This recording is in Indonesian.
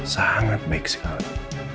sangat baik sekali